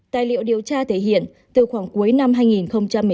tài liệu điều tra thể hiện từ khoảng cuối năm hai nghìn một mươi tám